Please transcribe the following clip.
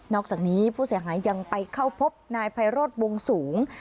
อกจากนี้ผู้เสียหายยังไปเข้าพบนายไพโรธวงสูง